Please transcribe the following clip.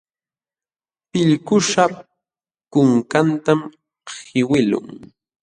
Pillkuśhpa kunkantam qiwiqlun.